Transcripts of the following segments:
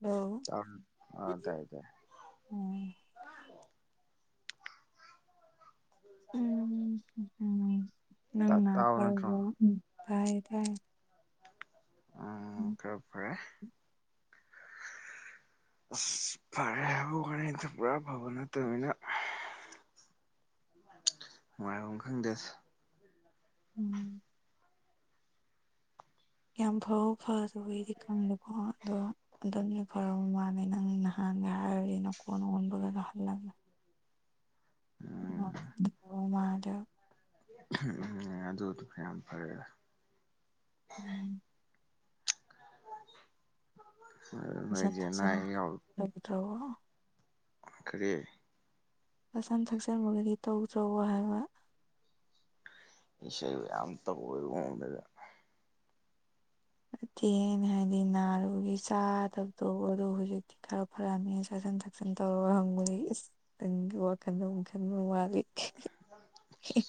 hello ꯎꯝ [unintelligible] ꯎꯝ ꯅꯪꯅꯥ ꯇꯥꯕ ꯅꯠꯇ꯭ꯔꯣ ꯐꯔꯕꯣ ꯎꯝ ꯇꯥꯏꯌꯦ ꯇꯥꯏ ꯑꯥ ꯈꯔꯥ ꯐꯔꯦ ꯎ [inaudible] ꯑꯁ ꯐꯔꯦ ꯍꯥꯏꯕ ꯋꯥꯅꯤꯗ ꯄꯨꯔꯥ ꯐꯕ ꯅꯠꯇꯕꯅꯤꯅ ꯅꯨꯡꯉꯥꯏꯕꯝ ꯈꯪꯗꯦꯗ ꯎꯝ [inaudible] ꯌꯥꯝ ꯐꯕ ꯐꯥꯗꯕꯒꯤꯗꯤ ꯈꯪꯗꯦꯀꯣ ꯑꯗꯣ ꯈꯇꯪꯗꯤ ꯐꯔꯕ ꯃꯥꯜꯂꯦ ꯅꯪ ꯅꯍꯥꯟ ꯅꯍꯥꯟꯒꯤ ꯅꯈꯣꯟ ꯑꯣꯟꯕꯀꯥꯗꯣ ꯍꯜꯂꯒ ꯎꯝ [unintelligible] ꯑꯗꯨꯅ ꯌꯥꯝ ꯐꯔꯦꯗ ꯎꯝ [inaudible] ꯆꯥꯁꯟ ꯅꯣꯏꯗꯤ ꯑꯅꯥ ꯊꯛꯆꯟ ꯑꯌꯦꯛ ꯌꯥꯎ ꯇꯧꯗ꯭ꯔꯕꯣ ꯀꯔꯤ ꯆꯥꯁꯟ ꯊꯛꯆꯟꯕꯒꯥꯇꯤ ꯇꯧꯗ꯭ꯔꯕꯣ ꯍꯥꯏꯕ ꯏꯁ ꯑꯩꯕꯨ ꯌꯥꯝ ꯇꯧꯕꯒꯤ ꯃꯑꯣꯡꯗꯒ ꯅꯥꯠꯇꯦ ꯑꯩꯅ ꯍꯥꯏꯕꯗꯤ ꯅꯥꯔꯨꯕꯒꯤ ꯆꯥꯗꯕꯗꯣ ꯑꯗꯣ ꯍꯧꯖꯤꯛꯇꯤ ꯈꯔ ꯐꯔꯛꯑꯝꯅꯤꯅ ꯆꯥꯁꯟ ꯊꯛꯁꯟ ꯇꯧꯔꯕ ꯍꯪꯕꯅꯤ ꯏꯁ ꯅꯪꯒꯤ ꯋꯥꯈꯜꯗꯣ ꯑꯃꯥ ꯈꯟꯕ ꯃꯥꯜꯂꯤ [unintelligible]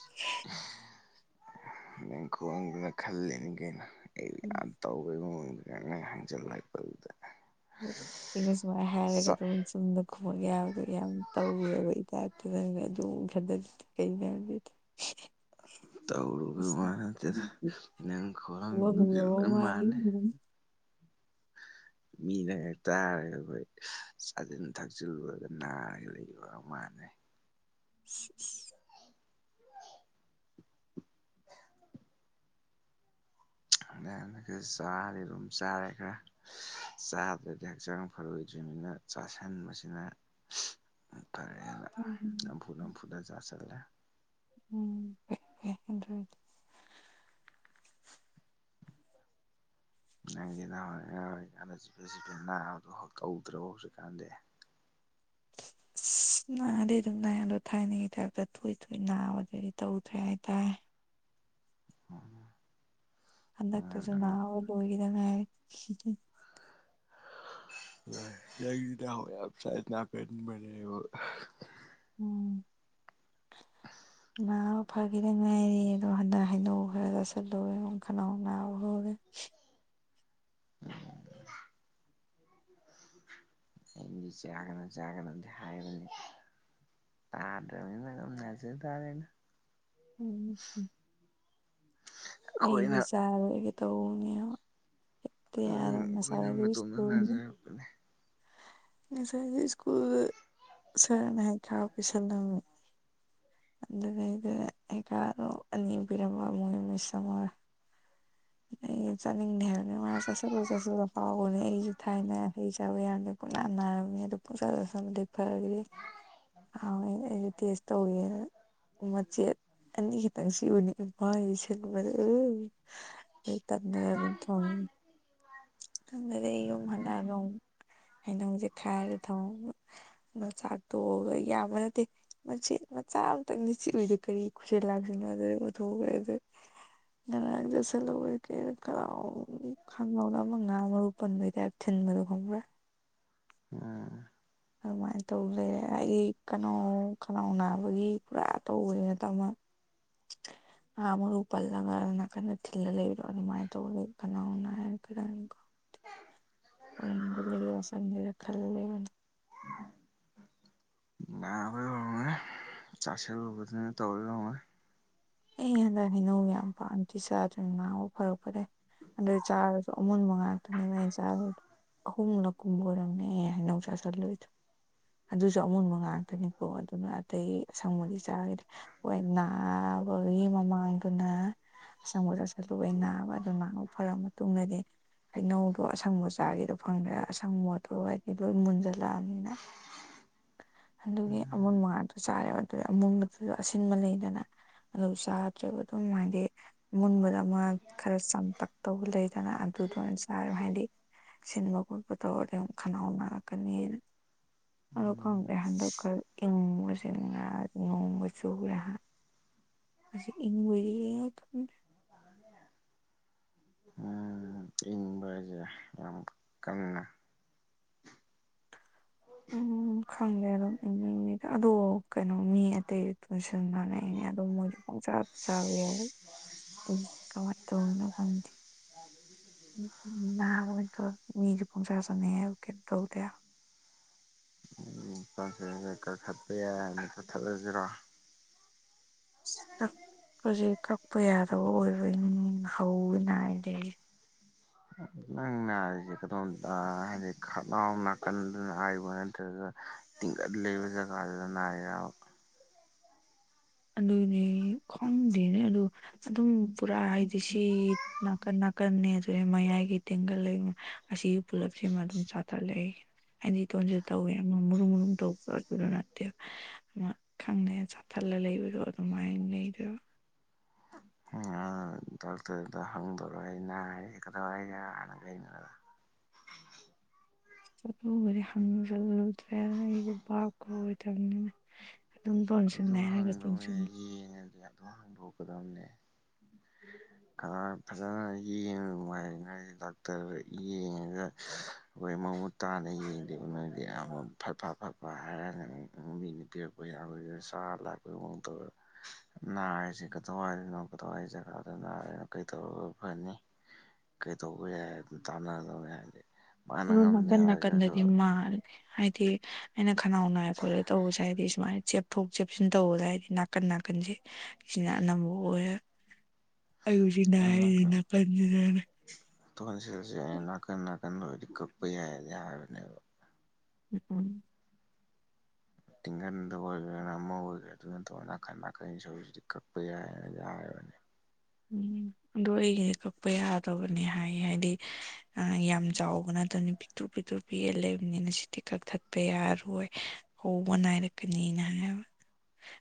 ꯅꯪ ꯈꯨꯍꯡꯗꯨꯅ ꯈꯜꯂꯤꯅꯤ ꯀꯩꯅꯣ ꯑꯩꯕꯨ ꯌꯥꯝ ꯇꯧꯕꯒꯤ ꯃꯑꯣꯡꯗ ꯑꯗꯨꯃꯥꯏꯅ ꯍꯪꯖꯜꯂꯛꯄꯗꯨꯗ ꯑꯩꯅ ꯁꯨꯃꯥꯏꯅ ꯍꯥꯏꯔꯒ ꯆꯠ ꯑꯗꯨꯝ ꯆꯨꯝꯅ ꯈꯨꯝꯃꯛ ꯌꯥꯕꯅꯦ ꯌꯥꯝ ꯇꯧꯔꯕꯩ ꯇꯥꯏꯄꯇꯥ ꯅꯪꯅ ꯑꯗꯨ ꯑꯃꯨꯛ ꯈꯟꯖꯤꯟꯂꯤꯗꯨ ꯀꯔꯤꯒꯤꯅꯣ ꯍꯥꯏꯕꯅꯤꯗ ꯇꯧꯔꯨꯕꯩ ꯋꯥ ꯅꯠꯇꯦꯗ ꯅꯪ ꯈꯨꯍꯪꯗꯨꯒꯤ ꯎ [inaudible] ꯂꯣꯏ ꯋꯥ ꯃꯥ ꯃꯥꯜꯂꯦ [unintelligible] ꯃꯤꯅ ꯍꯦꯛ ꯇꯥꯔꯒ ꯑꯩꯈꯣꯏ ꯆꯥꯁꯤꯟ ꯊꯛꯆꯤꯜꯂꯨꯔꯒ ꯅꯥꯔꯒ ꯂꯩꯕ ꯃꯥꯜ [unintelligible] [unintelligible] ꯆꯥꯔꯦ ꯑꯗꯨꯝ ꯆꯥꯔꯦ ꯈꯔ ꯆꯥꯗ꯭ꯔꯗꯤ ꯍꯛꯆꯥꯡ ꯐꯥꯔꯣꯏ ꯅ ꯆꯥꯁꯤꯟꯕꯁꯤꯅ [inaudible] ꯐꯔꯦꯅ ꯅꯝꯐꯨ ꯅꯝꯐꯨꯗ ꯆꯥꯁꯤꯂꯦ ꯎꯝ [unintelligible] ꯅꯪꯗꯤ ꯅꯍꯥꯟꯋꯥꯏ ꯑꯉꯥꯡ ꯑꯣꯏꯔꯤꯀꯟꯗ ꯆꯤꯐꯦꯠ ꯆꯤꯐꯦꯠ ꯅꯥꯕꯗꯣ ꯇꯧꯗ꯭ꯔꯕꯣ ꯍꯧꯖꯤꯛ ꯀꯥꯟꯗꯤ [unintelligible] ꯑꯁ ꯅꯥꯗꯤ ꯑꯗꯨꯝ ꯅꯥꯏ ꯑꯗꯣ ꯊꯥꯏꯅꯒꯤ ꯇꯥꯏꯞꯇ ꯇꯣꯏ ꯇꯣꯏ ꯅꯥꯕꯗꯤ ꯇꯧꯗ꯭ꯔꯦ ꯍꯥꯏꯇꯥꯔꯦ ꯎ [inaudible] ꯍꯟꯗꯛꯇꯁꯨ ꯅꯥꯕ ꯂꯣꯏꯒꯤꯗ ꯉꯥꯏꯔꯤ [unintelligible] ꯎꯝ ꯅꯥꯕ ꯐꯈꯤꯗ ꯉꯥꯏꯔꯤ ꯑꯗꯣ ꯍꯟꯗꯛ ꯍꯩꯅꯧ ꯈꯔ ꯆꯥꯁꯤꯜꯂꯨꯕꯗ ꯈꯅꯥꯎ ꯅꯥꯕ ꯍꯧꯔꯦ ꯑꯩꯅꯗꯤ ꯆꯥꯒꯅꯣ ꯆꯥꯒꯅꯣꯗꯤ ꯍꯥꯏꯕꯅꯤꯗ ꯇꯥꯗ꯭ꯔꯕꯅꯤꯅ ꯑꯗꯨꯝ ꯅꯥꯖ ꯇꯥꯔꯦꯅ [unintelligible] ꯑꯩꯗꯤ ꯑꯩꯈꯣꯏꯅ ꯆꯥꯔꯣꯏꯒꯦ ꯇꯧꯕꯅꯦꯕ ꯠꯇ ꯌꯥꯔꯣ ꯎꯝ ꯑꯩꯈꯣꯏꯅ ꯃꯁꯂꯒꯁꯀ ꯃꯇꯣꯝꯇ [unintelligible] ꯅꯥꯖꯔꯛꯄꯅꯦ ꯉꯁꯥꯁꯨ ꯁꯀꯨꯜꯗ ꯁꯔꯠꯅ ꯍꯩꯈꯥ ꯄꯤꯁꯜꯂꯝꯃꯤ ꯑꯗꯨꯗꯩꯗ ꯍꯩꯈꯥꯗꯣ ꯑꯅꯤ ꯄꯤꯔꯝꯕ ꯃꯣꯏ ꯃꯤꯁ ꯑꯃꯒ ꯎ [unintelligible] ꯑꯩꯅ ꯆꯥꯅꯤꯡꯗꯦ ꯍꯥꯏꯕꯅꯦ ꯃꯥꯅ ꯆꯥꯁꯜꯂꯣ ꯆꯁꯜꯂꯣ ꯄꯥꯎꯕꯅꯦ ꯑꯩꯁꯨ ꯊꯥꯏꯅ ꯍꯩ ꯆꯥꯕ ꯌꯥꯗꯦ ꯄꯨꯡꯅ ꯅꯥꯔꯝꯃꯤ ꯑꯗꯨ ꯄꯨꯡꯆꯥ ꯆꯥꯁꯤꯟꯕꯗꯒꯤ ꯐꯥꯈꯔꯦ ꯍꯥꯎꯏ ꯑꯩꯅ ꯇꯦꯁ ꯇꯧꯋꯦ ꯃꯆꯦꯠ ꯑꯅꯤ ꯈꯇꯪ ꯁꯤꯟꯎꯕꯅꯤ ꯃꯥꯏ ꯁꯤꯟꯕꯗꯣ ꯑꯥ ꯗꯩ ꯇꯟꯗꯅ ꯑꯗꯨꯝ ꯊꯣꯡꯉ ꯈꯪꯗꯦꯗ ꯑꯩ ꯌꯨꯝ ꯍꯜꯂꯛꯑꯒ ꯑꯃꯨꯛ ꯍꯩꯅꯧꯁꯦ ꯈꯥꯏꯔ ꯊꯝꯃꯝꯃ ꯑꯗꯨ ꯆꯥꯛ ꯇꯣꯛꯑꯒ ꯌꯥꯝꯕ ꯅꯠꯇꯦ ꯃꯆꯦꯠ ꯃꯆꯥ ꯑꯃꯇꯪ ꯆꯤꯛ ꯎꯏꯗꯦ ꯀꯔꯤ ꯈꯨꯁꯤꯜ ꯂꯥꯛꯁꯤꯟꯅꯣ ꯑꯗꯨꯗ ꯑꯣꯊꯣꯛꯎꯔꯦ ꯉꯔꯥꯡꯗꯣ [unintelligible] ꯑꯃ ꯉꯥ ꯃꯔꯨ ꯄꯟꯕꯩ ꯇꯥꯢꯞ ꯊꯤꯟꯕꯗꯣ ꯈꯪꯕ꯭ꯔꯥ ꯎꯝ ꯑꯗꯨꯃꯥꯏꯅ ꯇꯧ ꯂꯩꯔꯦ ꯍꯥꯏꯗꯤ ꯀꯩꯅꯣ ꯈꯅꯥꯎ ꯅꯥꯕꯒꯤ ꯄꯨꯔꯥ ꯇꯧꯕꯗꯤ ꯅꯠꯇꯕꯃ [inaudible] ꯉꯥ ꯃꯔꯨ ꯄꯜꯂꯒ ꯅꯥꯀꯟꯗ ꯊꯤꯜꯂ ꯂꯩꯕꯗꯣ ꯑꯗꯨꯃꯥꯥꯏ ꯇꯧꯔ ꯂꯩꯔ ꯈꯅꯥꯎ ꯅꯥꯢꯕ ꯈꯤꯇꯪꯀꯣ ꯍꯣꯔꯦꯟ ꯒꯨꯂꯤ ꯌꯣꯠꯁꯟꯒꯤꯕꯗ ꯈꯜꯂ ꯂꯩꯕꯅ ꯅꯥꯕꯩ ꯑꯣꯢꯔꯝꯒꯅꯤ ꯆꯥꯁꯜꯂꯨꯕꯗꯨꯅ ꯇꯧꯔꯤ ꯑꯣꯢꯔꯝꯒꯅꯤ ꯑꯦ ꯍꯟꯗꯛ ꯍꯩꯅꯧ ꯌꯥꯝ ꯄꯥꯝꯗ꯭ꯔꯤ ꯆꯥꯗ꯭ꯔꯤ ꯅꯥꯔꯨ ꯐꯔꯛꯄꯗꯩ ꯑꯗꯨ ꯆꯥꯔꯁꯨ ꯑꯃꯨꯟꯕ ꯉꯥꯛꯇꯅꯦꯕ ꯑꯩꯅ ꯆꯥꯔꯨꯢꯗꯣ ꯑꯍꯨꯝꯂꯛꯀꯨꯝꯕ ꯑꯣꯢꯔꯝꯅꯤ ꯑꯩꯅ ꯍꯩꯅꯧ ꯆꯥꯁꯜꯂꯨꯢꯗꯣ ꯑꯗꯨꯁꯨ ꯑꯃꯨꯟꯕ ꯉꯥꯛꯇꯅꯤꯀꯣ ꯑꯗꯨꯅ ꯑꯇꯩ ꯑꯁꯪꯕꯗꯤ ꯆꯥꯘꯤꯗꯦ ꯍꯣꯏ ꯅꯥ [unintelligible] ꯃꯃꯥꯡꯗꯨꯅ ꯑꯁꯪꯕ ꯆꯥꯁꯜꯂꯨꯕꯩ ꯅꯥꯕ ꯑꯗꯨ ꯅꯥꯕ ꯐꯔ ꯃꯇꯨꯡꯗꯗꯤ ꯍꯩꯅꯧꯗꯣ ꯑꯁꯪꯕ ꯆꯥꯒꯦꯗꯣ ꯐꯪꯗ꯭ꯔꯦ ꯑꯁꯪ ꯃꯣꯠꯇꯣ ꯂꯣꯏ ꯃꯨꯟꯖꯜꯂꯛꯑꯝꯅꯤꯅ [inaudible] ꯑꯗꯨꯒꯤ ꯑꯃꯨꯟꯕ ꯉꯥꯇ ꯆꯥꯔꯦꯕ ꯑꯗꯨ ꯑꯃꯨꯕꯗꯨꯁꯨ ꯑꯁꯤꯟꯕ ꯂꯩꯗꯅ ꯑꯗꯨ ꯆꯥꯗ꯭ꯔꯦꯕ ꯑꯗꯨꯝ ꯍꯥꯏꯗꯤ ꯃꯨꯟꯕꯗ ꯑꯃ ꯈꯔ ꯆꯝꯇꯛꯇꯧꯕ ꯂꯩꯗꯅ ꯑꯗꯨ ꯗꯣ ꯑꯣꯢꯅ ꯆꯥꯔꯦꯕ ꯍꯥꯏꯗꯤ ꯁꯤꯟꯕ ꯈꯣꯠꯄ ꯇꯧꯔꯗꯤ ꯑꯃꯨꯛ ꯈꯅꯥꯎ ꯅꯥꯔꯛꯀꯅꯤꯅ ꯑꯗꯣ ꯈꯪꯗꯦ ꯍꯟꯗꯛ ꯈꯔ ꯏꯪꯕꯁꯤꯅꯔ ꯅꯣꯡꯒ ꯆꯨꯔꯦ ꯍꯥ ꯍꯖꯤꯛ ꯏꯪꯕ [unintelligible] ꯏꯪꯕꯔ ꯍꯥꯢꯁꯦ ꯌꯥꯝ ꯀꯟꯅ ꯎꯝꯝ ꯝ ꯈꯪꯗꯦ ꯑꯗꯨꯝ ꯏꯪꯂꯤ ꯏꯪꯂꯤꯗ ꯑꯗꯣ ꯀꯩꯅꯣ ꯃꯤ ꯑꯇꯩ ꯇꯣꯟꯁꯤꯟ ꯅꯥꯅꯩꯅꯦ ꯑꯗꯨꯝ ꯃꯣꯏꯁꯨ ꯄꯪꯆꯥꯗ ꯆꯥꯕ ꯌꯥꯏ ꯀꯃꯥꯏꯅ ꯇꯧꯔꯤꯅꯣ ꯈꯪꯗꯦ [unintelligible] ꯃꯤꯁꯨ ꯄꯪꯆꯥ ꯆꯥꯅꯩ ꯍꯥꯢꯕ ꯀꯩꯝ ꯇꯧꯗꯦ ꯍꯥ [inaudible] ꯎꯝ ꯇꯣꯟꯁꯤꯟꯁꯦ ꯀꯛꯊꯠꯄ ꯌꯥꯏ ꯍꯥꯏꯕꯅꯦ ꯀꯛꯊꯠꯂꯁꯤꯔꯣ ꯁꯤ ꯀꯛ ꯍꯧꯖꯤꯛ ꯀꯛꯄ ꯌꯥꯗꯕ ꯑꯣꯏꯔꯧꯏꯅꯤ ꯍꯧꯕ ꯅꯥꯢ ꯅꯪ ꯅꯥꯔꯤꯁꯦ ꯀꯗꯣꯝꯗ ꯑ ꯍꯥꯢꯗꯤ ꯈꯅꯥꯎ ꯅꯥꯀꯟꯗ ꯅꯥꯢꯕ ꯅꯠꯇ꯭ꯔꯒ ꯇꯤꯡꯒꯜ ꯂꯩꯕ ꯖꯒꯥꯗꯗ ꯅꯥꯢꯔꯕ ꯑꯗꯨꯅꯦ ꯈꯣꯡꯗꯦꯅꯦ ꯑꯗꯣ ꯑꯗꯨꯝ ꯄꯨꯔꯥ ꯍꯥꯏꯗꯤ ꯁꯤ ꯅꯥꯀꯟ ꯅꯥ ꯅꯥꯀꯟꯅꯦ ꯑꯗꯨꯗ ꯃꯌꯥꯏꯒꯤ ꯇꯦꯡꯒꯜ ꯂꯩ ꯑꯁꯤꯒꯤ ꯄꯨꯂꯞꯁꯤꯃ ꯑꯗꯨꯝ ꯆꯥꯊꯠꯂꯛ ꯑꯩ ꯑꯩꯗꯤ ꯇꯣꯟꯁꯤꯟ ꯇꯧꯋꯦ ꯑꯃ ꯃꯨꯔꯨꯝ ꯃꯨꯔꯨꯝ ꯇꯧꯕꯗꯣ ꯅꯠꯇꯦꯕ ꯑꯃ ꯈꯪꯗꯦ ꯆꯥꯊꯠꯂ ꯂꯩꯕ ꯔꯣ ꯑꯗꯨꯃꯥꯏ ꯂꯩꯗꯣꯢꯕ ꯗꯥꯛꯇꯔꯗ ꯍꯪꯗꯣꯏꯔꯣ ꯑꯩ ꯅꯥꯔꯤ ꯀꯗꯋꯥꯢ ꯖꯒꯥꯗ ꯂꯩꯅꯣ [inaudible] ꯑꯗꯨꯒꯗꯤ ꯍꯪꯖꯜꯂꯨꯗ꯭ꯔꯦꯗ ꯑꯩꯁꯨ ꯚꯥꯞꯀ ꯑꯣꯢꯗ꯭ꯔꯝꯅꯤꯅ ꯑꯗꯨꯝ ꯍꯪꯗꯧꯅꯦ ꯌꯦꯡꯉꯗꯤ ꯑꯗꯨ ꯍꯪꯗꯣꯛꯀꯗꯕꯅꯦ [inaudible] ꯐꯖꯅ ꯌꯦꯡ [unintelligible] ꯗꯥꯛꯇꯔꯗ ꯌꯦꯡꯉꯒ ꯍꯣꯏ ꯃꯃꯨꯠ ꯇꯥꯅ ꯌꯦꯡꯗꯦꯕ ꯅꯣꯢꯗꯤ ꯑꯃꯨꯛ ꯐꯠ ꯐ ꯐꯠ ꯐ ꯍꯥꯏꯔꯛꯑꯅꯤ [unintelligible] ꯈꯣꯏꯒꯤ ꯁꯥ ꯂꯥꯛꯄꯒꯤ ꯃꯑꯣꯡ ꯇꯧꯋꯦꯕ ꯅꯥꯔꯤꯁꯤ ꯀꯗꯋꯥꯢꯗꯅꯣ ꯀꯗꯋꯥꯢ ꯖꯒꯥꯗ ꯅꯥ ꯑꯥ ꯀꯩ ꯇꯧꯔꯒ ꯐꯅꯤ ꯀꯩ ꯇꯧꯕ ꯌꯥꯏ ꯍꯥꯢꯗꯨ ꯇꯥꯟꯅꯒꯗꯧꯅꯦ ꯍꯥꯏꯗꯤ ꯃꯥꯅ ꯑꯃ ꯉꯝꯗꯦ ꯅꯥꯀꯟ ꯍꯥꯏꯔꯒꯁꯨ ꯅꯥꯀꯟꯗꯗꯤ ꯃꯥꯜꯂꯦ ꯍꯥꯏꯗꯤ ꯑꯩꯅ ꯈꯅꯥꯎ ꯅꯥꯏ ꯈꯣꯠꯂꯦꯒ ꯇꯧꯕꯁꯦ ꯍꯥꯏꯗꯤ ꯁꯨꯃꯥꯏꯅ ꯆꯦꯞꯊꯣꯛ ꯆꯦꯞꯁꯤꯟ ꯇꯧꯕꯗ ꯍꯥꯏꯗꯤ ꯅꯥꯀꯟ ꯅꯥ ꯀꯟꯁꯦ ꯁꯤꯅ ꯑꯅꯝꯕ ꯑꯣꯏꯌꯦ ꯑꯩ ꯍꯧꯖꯤꯛ ꯅꯥꯏ ꯍꯥꯏꯁꯦ ꯅꯥꯀꯟꯁꯤꯗꯅꯦ ꯇꯣꯟꯁꯤꯜꯁꯦ ꯅꯥꯀꯟ ꯅꯥꯀꯟꯗ ꯑꯣꯏꯗꯤ ꯀꯛꯄ ꯌꯥꯏꯗꯤ ꯍꯥꯏꯕꯅꯦꯕ ꯎꯝ ꯇꯤꯡꯒꯟꯗ ꯑꯣꯏꯒꯦꯔꯥꯅ ꯑꯃ ꯑꯣꯏꯒꯦꯔꯥ ꯗꯨ ꯅꯠꯇꯕ ꯅꯥꯀꯟ ꯅꯥꯀꯟ ꯁꯔꯨꯁꯤꯗꯤ ꯀꯛꯄ ꯌꯥꯏꯑꯦꯅ ꯍꯥꯏ ꯎꯝ ꯑꯗꯨ ꯑꯩꯒꯤꯗꯤ ꯀꯛꯄ ꯌꯥꯗꯕꯅꯤ ꯍꯥꯏ ꯍꯥꯏꯗꯤ ꯑ ꯌꯥꯝ ꯆꯥꯎꯕ ꯅꯠꯇꯝꯅꯤ ꯄꯤ ꯇ꯭ꯔꯨ ꯄꯤꯛꯇ꯭ꯔꯨ ꯄꯤꯛꯑ ꯂꯩꯕꯅꯤꯅ ꯁꯤꯇꯤ ꯀꯛꯊꯠꯄ ꯌꯥꯔꯣꯏ ꯍꯧꯕ ꯅꯥꯏꯔꯛꯀꯅꯤꯅ ꯍꯥꯏꯕ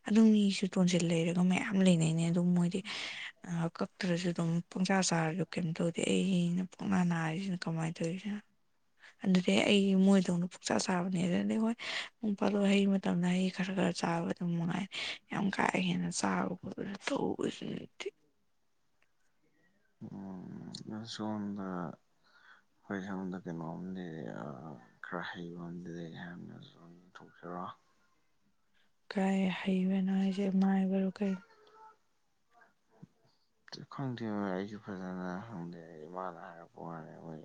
ꯑꯗꯨꯝ ꯃꯤꯁꯨ ꯇꯣꯟꯁꯤꯜ ꯂꯩꯔꯒ ꯃꯌꯥꯝ ꯂꯩꯅꯩꯅꯦ ꯑꯗꯨꯝ ꯃꯣꯏꯗꯤ ꯉꯍꯥꯛ ꯀꯛꯇ꯭ꯔꯁꯨ ꯑꯗꯨꯝ ꯄꯨꯡꯆꯥ ꯆꯥꯔꯁꯨ ꯀꯦꯝ ꯇꯧꯗꯦ ꯑꯩꯩꯒꯤ ꯁꯤꯅ ꯄꯨꯡꯅꯥ ꯅꯥꯔꯤꯁꯤꯅ ꯀꯃꯥꯏ ꯇꯧꯔꯤꯖꯥꯅꯣ ꯑꯗꯨꯗꯤ ꯑꯩ ꯃꯣꯏꯗꯧꯅ ꯄꯨꯛꯆꯥ ꯆꯥꯕꯅꯦ ꯑꯗꯨꯅꯗꯤ ꯍꯣꯏ ꯅꯣꯡ ꯐꯥꯗꯣꯛ ꯍꯩ ꯃꯇꯝꯗ ꯍꯩ ꯈꯔꯒ ꯈ ꯆꯥꯕ ꯗꯨꯃꯉꯥꯏ ꯌꯥꯝ ꯀꯥ ꯍꯦꯟꯅ ꯆꯥꯕ ꯈꯣꯠꯄ ꯇꯧꯕꯁꯤꯗꯤ ꯎꯝ ꯁꯣꯝꯗ ꯍꯣꯏ ꯁꯣꯝꯗ ꯀꯩꯅꯣꯝꯗꯤ ꯈꯔ ꯍꯩꯕ ꯑꯝꯗꯤ ꯂꯩ ꯍꯥꯏꯕꯅꯦ ꯊꯣꯛꯁꯤꯔꯣ ꯀꯥꯏ ꯍꯩꯕꯅꯣ ꯍꯥꯏꯁꯦ ꯃꯥꯏꯕꯔꯣ ꯀꯩ ꯇꯤ ꯈꯪꯗꯦ ꯑꯩꯁꯨ ꯐꯖꯅ ꯍꯪꯗꯦ ꯑꯩ ꯏꯃꯥꯅ ꯍꯥꯏꯔꯛꯄ ꯋꯥꯅꯦ ꯃꯣꯏ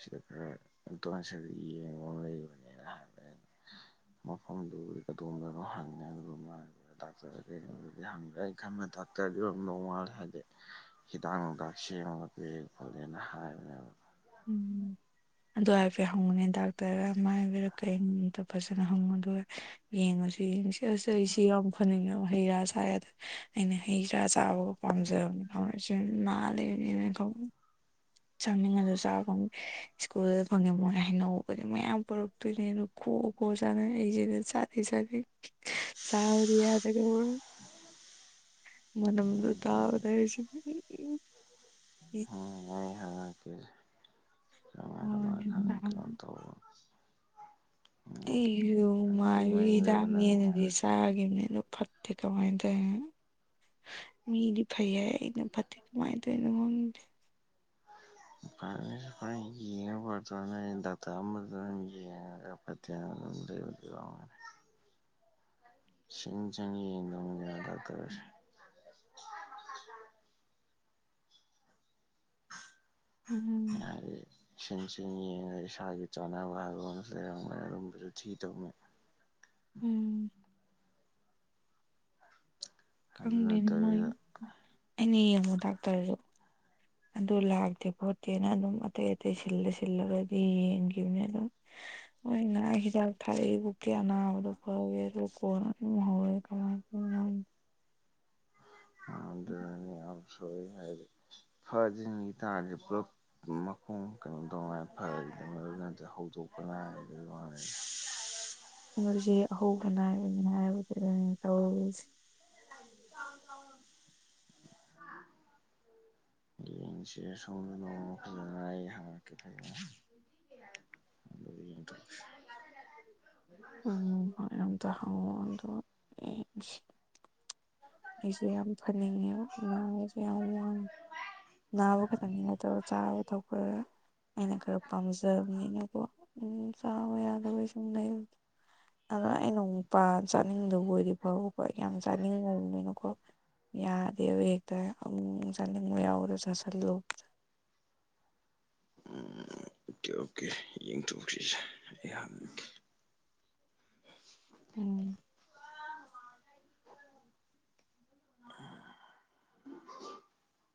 ꯁꯤꯗ ꯈꯔ [unintelligible] ꯌꯦꯡꯕꯝ ꯂꯩꯕꯅꯦ ꯍꯥꯏꯕꯅꯦ ꯑꯩ [inaudible] ꯃꯐꯝꯗꯨꯒꯤ ꯀꯗꯣꯝꯗꯅꯣ ꯍꯪꯉꯦ ꯑꯗꯨꯒ ꯃꯥꯒꯤ ꯗꯥꯛꯇꯔ ꯀꯩꯅꯣꯗꯤ ꯍꯪꯗ꯭ꯔꯦ ꯑꯩ ꯈꯪꯉꯦ ꯗꯥꯛꯇꯔꯗꯣ ꯅꯣꯡ ꯉꯥꯜ ꯍꯥꯏꯗꯤ ꯍꯤꯗꯥꯛ ꯅꯨꯡꯗꯥꯛ ꯁꯦꯝꯃꯒ ꯄꯤ ꯈꯣꯠꯂꯦꯅ ꯍꯥꯏꯕꯅꯦꯕ ꯎꯝ ꯑꯗꯨ ꯍꯥꯏꯐꯠ ꯍꯪꯉꯨꯅꯦ ꯗꯥꯛꯇꯔꯔꯥ ꯃꯥꯏꯕꯔ ꯀꯩꯅꯣꯗꯣ ꯐꯖꯅ ꯍꯪꯉꯣꯗꯨꯒ ꯌꯦꯡꯉꯁꯨ ꯌꯦꯡꯁꯤ ꯑꯁ ꯑꯩꯁꯤ ꯌꯥꯝ ꯐꯅꯤꯡꯉꯦ ꯍꯩ ꯔꯥ ꯁꯥꯏꯌꯥꯗꯦ ꯑꯩꯅ ꯍꯩ ꯆꯥ ꯆꯥꯕꯒ ꯄꯥꯝꯖꯕꯅꯦ ꯈꯧꯅꯥꯎꯁꯦ ꯅꯥ ꯂꯩꯕꯅꯤꯅ ꯈꯧ ꯆꯅꯤꯡꯉꯒꯁꯨ ꯆꯥ ꯐꯪ ꯏꯁ꯭ꯀꯨꯜꯗ ꯐꯪꯉꯦ ꯃꯣꯏ ꯍꯥꯏꯅꯧꯒꯗꯤ ꯃꯌꯥꯝ ꯄꯨꯔꯛꯇꯣꯏꯅꯦ ꯑꯗꯨ ꯈꯣ ꯈꯣ ꯆꯥꯅ ꯑꯩ ꯖꯤꯅ ꯆꯥꯗꯤ ꯆꯅꯤꯡ ꯆꯕꯗꯤ ꯌꯥꯗꯒꯩ [unintelligible] ꯃꯅꯝꯗꯨ ꯇꯥꯕꯗ ꯍꯥꯏꯁꯤ ꯎꯝ ꯑꯩ ꯍꯪꯉꯛꯀꯦ ꯀꯃꯥꯏ ꯀꯃꯥꯏ ꯈꯪꯉꯤ ꯀꯩꯅꯣ ꯇꯧꯕ [unintelligible] ꯎꯝ ꯑꯩꯁꯨ ꯃꯥꯏꯕꯒꯤ ꯀꯨꯏꯃꯟꯈ꯭ꯔꯦꯕ ꯅꯪ ꯍꯤꯗꯥꯛꯅꯦꯅꯗꯤ ꯉꯥꯏꯔꯤꯗꯣ ꯆꯥꯒꯤꯝꯅꯦ ꯑꯗꯨ ꯐꯠꯇꯦ ꯀꯃꯥꯏ ꯇꯧꯏꯅꯣ ꯃꯤꯗꯤ ꯐꯩ ꯍꯥꯏ ꯑꯩꯅ ꯐꯠꯇꯦ ꯀꯃꯥꯏ ꯇꯧꯏꯅꯣ ꯈꯪꯗꯦ [unintelligible] [unintelligible] [unintelligible] [inaudible] ꯁꯤꯡ ꯆꯪ ꯌꯦꯡꯗꯧꯅꯦ ꯗꯥꯛꯇꯔꯁꯦ ꯎꯝ ꯍꯥꯏꯗꯤ ꯁꯤꯟ ꯁꯤꯟ ꯌꯦꯡꯉꯒ ꯏꯁꯥꯒꯤ ꯆꯥꯅꯕ ꯍꯥꯏꯕ ꯑꯗꯨꯝꯕꯁꯨ ꯊꯤ ꯇꯧꯅꯤ ꯎꯝ ꯑꯗꯨ ꯈꯪꯗꯦꯅꯤ ꯃꯣꯏ ꯅꯠꯇꯕꯤꯗ ꯑꯩꯅ ꯌꯦꯡꯉꯣ ꯗꯥꯛꯇꯔꯗꯨ ꯑꯗꯨ ꯂꯥꯛꯇꯦ ꯈꯣꯠꯇꯦꯅ ꯑꯗꯨꯝ ꯑꯇꯩ ꯑꯇꯩ ꯁꯤꯜꯂ ꯁꯤꯜꯂꯒꯗꯤ ꯌꯦꯡꯈꯤꯕꯅꯦ ꯑꯗꯨꯝ ꯍꯣꯏꯅ ꯍꯤꯗꯥꯛ ꯊꯥꯛ ꯀꯨꯛꯀꯤ ꯑꯅꯥꯕꯗꯣ ꯐꯋꯦ ꯑꯗꯨ ꯀꯣꯟ ꯍꯧꯔꯦ ꯀꯃꯥꯏꯟ ꯎꯝ ꯑ ꯑꯗꯨꯅꯤ [unintelligible] [unintelligible] ꯗ ꯃꯔ ꯉꯇ ꯍꯧꯗꯣꯛꯄ ꯅꯥꯕ ꯑꯗꯨ ꯃꯅ [unintelligible] ꯖꯤ ꯑꯍꯧꯕꯅꯥꯏ ꯉ ꯇꯋꯤꯁꯦ ꯑꯥꯎ [unintelligible] ꯎꯝ ꯎꯝ ꯃꯗꯣ ꯑꯝꯇ ꯍꯪꯉꯣ ꯌꯦꯡꯁꯤ ꯑꯩꯁꯦ ꯌꯥꯝ ꯐꯅꯤꯡꯉꯦ ꯅꯥꯕꯁꯦ ꯌꯥꯝ ꯋꯥꯢ ꯅꯥꯕ ꯈꯇꯪꯒꯤ ꯅꯠꯇ꯭ꯔꯣ ꯆꯥꯕ ꯊꯛꯄ ꯑꯩꯅ ꯈꯔ ꯄꯥꯝꯖꯕꯅꯤꯅꯀꯣ ꯎꯝ ꯆꯥꯕ ꯌꯥꯗꯕꯩ ꯁꯨꯝ ꯂꯩꯕ ꯑꯗ ꯑꯩꯅ ꯃꯄꯥ ꯆꯥꯅꯤꯡꯗꯕ ꯑꯣꯏꯗꯤ ꯐꯥꯕꯀꯣ ꯌꯥꯝ ꯆꯥꯅꯤꯡꯉꯨꯕꯅꯤ ꯌꯥꯗꯦꯕ ꯍꯦꯛꯇ ꯑꯃꯨꯛ ꯃꯨꯛ ꯆꯥꯅꯤꯡꯕ ꯌꯥꯎꯕꯗꯣ ꯆꯥꯁꯤꯜꯂꯨ [inaudible] ꯎꯝ ꯑꯣꯀꯦ ꯑꯣꯀꯦ ꯌꯦꯡꯊꯣꯛꯁꯤꯁꯦ ꯑꯩ ꯍꯪꯒꯦ ꯎꯝ ꯑ [inaudible]